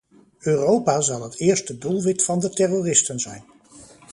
Europa zal het eerste doelwit van de terroristen zijn.